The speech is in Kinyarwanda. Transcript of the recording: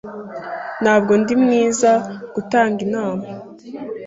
Ntabwo ndi mwiza gutanga inama.